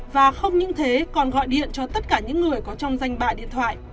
và không những thế còn gọi điện cho tất cả những người có trong danh bạ điện thoại